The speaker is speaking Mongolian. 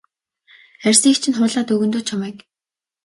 Арьсыг чинь хуулаад өгнө дөө чамайг.